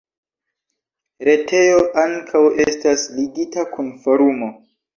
Retejo ankaŭ estas ligita kun Forumo.